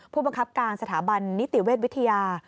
ผู้บังคับการสถาบันนิติเวชวิทยา